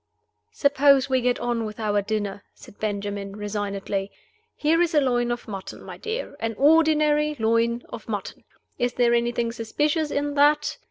"Suppose we get on with our dinner?" said Benjamin, resignedly. "Here is a loin of mutton, my dear an ordinary loin of mutton. Is there anything suspicious in _that?